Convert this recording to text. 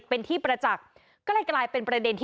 ทีนี้จากรายทื่อของคณะรัฐมนตรี